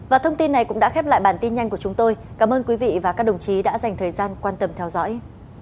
và thông tin này cũng đã khép lại bản tin nhanh của chúng tôi cảm ơn quý vị và các đồng chí đã dành thời gian quan tâm theo dõi